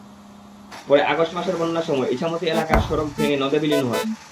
পরে আগস্ট মাসের বন্যার সময় ইছামতী এলাকায় সড়ক ভেঙে নদে বিলীন হয়।